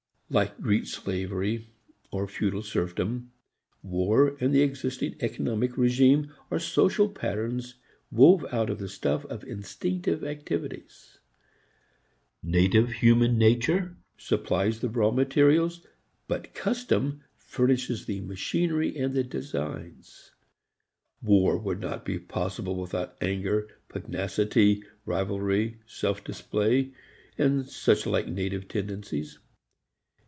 Like Greek slavery or feudal serfdom, war and the existing economic regime are social patterns woven out of the stuff of instinctive activities. Native human nature supplies the raw materials, but custom furnishes the machinery and the designs. War would not be possible without anger, pugnacity, rivalry, self display, and such like native tendencies.